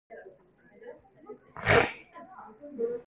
冇乜事我返咗鋪開工